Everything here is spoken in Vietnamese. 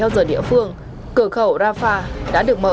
giờ địa phương cửa khẩu rafah đã được mở